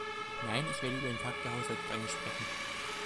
Nein, ich werde über den Pakt der Haushaltsstrenge sprechen.